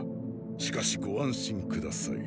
しかしご安心下さい。